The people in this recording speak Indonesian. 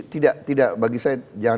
tidak bagi saya